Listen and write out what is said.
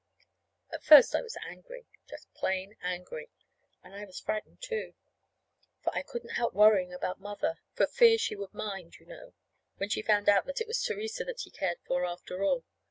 At first I was angry, just plain angry; and I was frightened, too, for I couldn't help worrying about Mother for fear she would mind, you know, when she found out that it was Theresa that he cared for, after all.